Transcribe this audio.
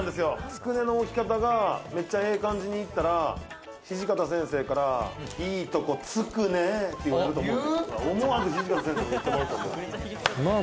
つくねの置き方がめっちゃええ感じに行ったら土方先生から、いいとこつくねって言われると思う。